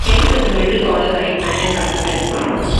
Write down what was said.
Kent was a middle-order right-handed batsman.